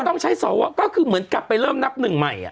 ต้องใช้สวก็คือเหมือนกลับไปเริ่มนับหนึ่งใหม่